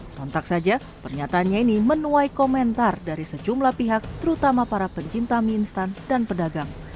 sontak saja pernyataannya ini menuai komentar dari sejumlah pihak terutama para pencinta mie instan dan pedagang